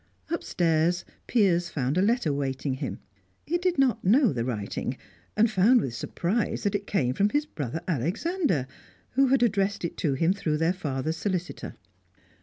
Upstairs, Piers found a letter awaiting him. He did not know the writing, and found with surprise that it came from his brother Alexander, who had addressed it to him through their father's solicitor.